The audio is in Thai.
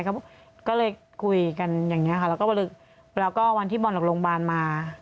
ก็เลยคุยกันอย่างนี้ค่ะแล้วก็วันที่บอลออกโรงพยาบาลมา